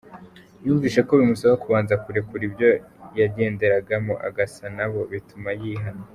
Yumvise ko bimusaba kubanza kurekura ibyo yagenderagamo agasa nabo, bituma yihana.